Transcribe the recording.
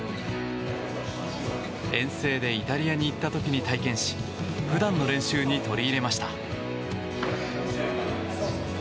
遠征でイタリアに行った時に体験し普段の練習に取り入れました。